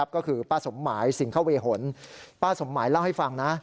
ก็คือป้าสมหมายสิงคเวหนป้าสมหมายเล่าให้ฟังนะ